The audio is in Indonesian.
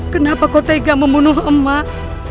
kenapa kau tega membunuh emak